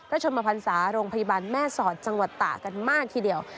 ชมพันศาโรงพยาบาลแม่สอดจังหวัดตากันมากทีเดียว